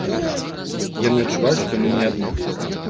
Яны адчуваюць, што яны не адны.